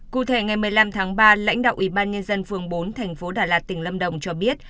cụ thể ngày một mươi năm tháng ba lãnh đạo ủy ban nhân dân phường bốn thành phố đà lạt tỉnh lâm đồng cho biết